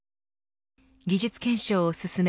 技術検証を進め